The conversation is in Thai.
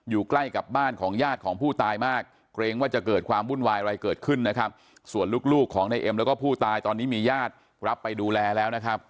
อยู่ใกล้กับบ้านของญาติของผู้ตายมากเกรงว่าจะเกิดความวุ่นวายอะไรเกิดขึ้นนะครับส่วนลูกของในเอ็มแล้วก็ผู้ตายตอนนี้มีญาติรับไปดูแลแล้วนะครับ